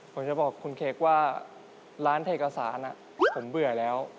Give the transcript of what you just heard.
ผมจะบอกคุณเค้กว่าร้านเอกสารผมเบื่อแล้ว